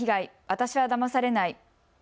私はだまされない。